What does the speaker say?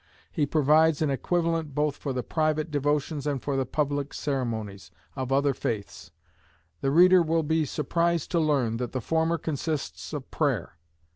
He provides an equivalent both for the private devotions, and for the public ceremonies, of other faiths. The reader will be surprised to learn, that the former consists of prayer.